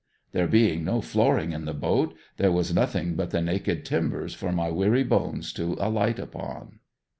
There being no flooring in the boat, there was nothing but the naked timbers for my weary bones to alight upon.